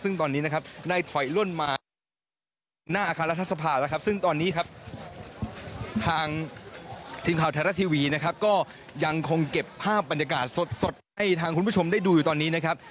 ซึ่งตอนนี้นะครับได้ถอยล่นมาหน้าอาคารรัฐสภาแล้วครับซึ่งตอนนี้ครับทางทีมข่าวไทยรัฐทีวีนะครับก็ยังคงเก็บภาพบรรยากาศสดให้ทางคุณผู้ชมได้ดูอยู่ตอนนี้นะครับ